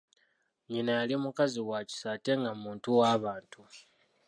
Nnyina yali mukazi wa kisa ate nga muntu wabantu.